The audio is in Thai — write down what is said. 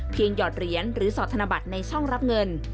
หยอดเหรียญหรือสอดธนบัตรในช่องรับเงิน